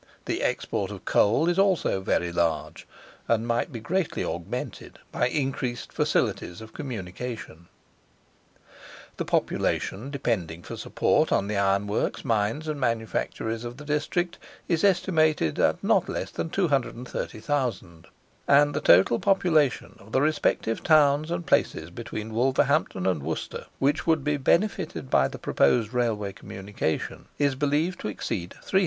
The export of coal is also very large, and might be greatly augmented by increased facilities of communication. The population, depending for support on the iron works, mines, and manufactories of the district, is estimated at not less than 230,000; and the total population of the respective towns and places between Wolverhampton and Worcester, which would be benefited by the proposed Railway communication, is believed to exceed 300,000.